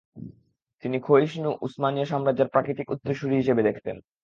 তিনি ক্ষয়িষ্ণু উসমানীয় সাম্রাজ্যের প্রাকৃতিক উত্তরসুরি হিসেবে দেখতেন।